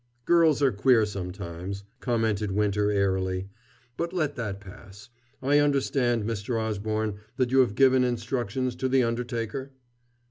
"Girls are queer sometimes," commented Winter airily. "But let that pass. I understand, Mr. Osborne, that you have given instructions to the undertaker?"